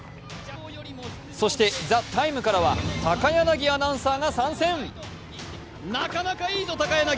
そして「ＴＨＥＴＩＭＥ，」からは高柳アナウンサーが参戦。